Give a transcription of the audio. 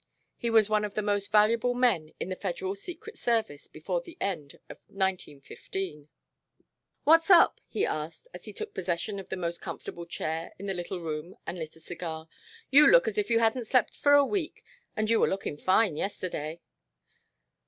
He was one of the most valuable men in the Federal Secret Service before the end of 1915. "What's up?" he asked, as he took possession of the most comfortable chair in the little room and lit a cigar. "You look as if you hadn't slept for a week, and you were lookin' fine yesterday."